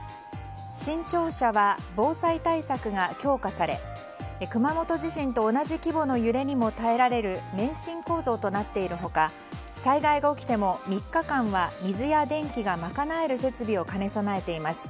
新庁舎は防災対策が強化され熊本地震と同じ規模の揺れにも耐えられる免震構造となっている他災害が起きても３日間は水や電気が賄える設備を兼ね備えています。